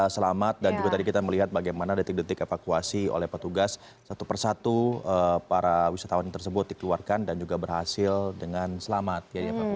selamat dan juga tadi kita melihat bagaimana detik detik evakuasi oleh petugas satu persatu para wisatawan tersebut dikeluarkan dan juga berhasil dengan selamat